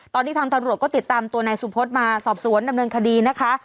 ตอนนี้ทางตำรวจก็ติดตามตัวนายสุพธมาสอบสวนดำเนินคดีนะคะ